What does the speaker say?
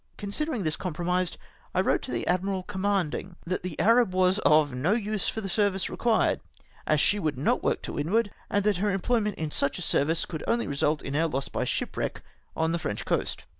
Considering this compromised, I wrote to the admiral commanding, that the Arab was of no use for the service required, as she would not work to windward, and that her employment in such a service could only result in our loss by shipwreck on the French coast.